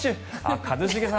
一茂さん